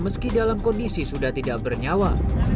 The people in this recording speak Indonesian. meski dalam kondisi sudah tidak bernyawa